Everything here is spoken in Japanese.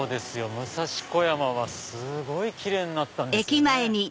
武蔵小山はすごいキレイになったんですよ。